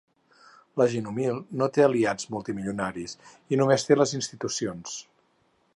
La gent humil no té aliats multimilionaris i només té les institucions.